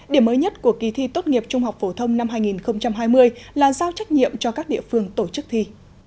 điểm mới nhất của kỳ thi tốt nghiệp trung học phổ thông năm hai nghìn hai mươi là giao trách nhiệm cho các địa phương tổ chức thi